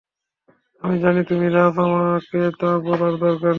আমি জানি তুমি রাজ, আমাকে তা বলার দরকার নেই।